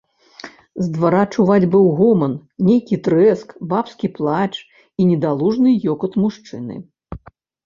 З двара чуваць быў гоман, нейкі трэск, бабскі плач і недалужны ёкат мужчыны.